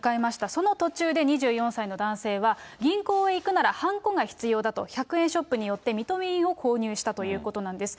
その途中で男性は銀行へ行くならはんこが必要だと、１００円ショップによって認め印を購入したということなんです。